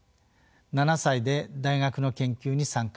７歳で大学の研究に参加。